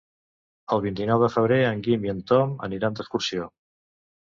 El vint-i-nou de febrer en Guim i en Tom aniran d'excursió.